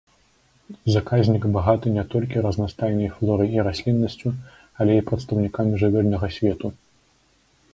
Заказнік багаты не толькі разнастайнай флорай і расліннасцю, але і прадстаўнікамі жывёльнага свету.